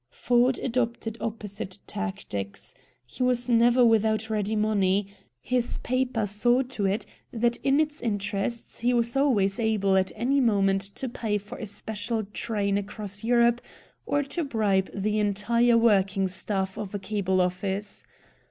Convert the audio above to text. Ford adopted opposite tactics. He was never without ready money. His paper saw to it that in its interests he was always able at any moment to pay for a special train across Europe, or to bribe the entire working staff of a cable office.